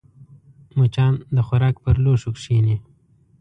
مچان د خوراک پر لوښو کښېني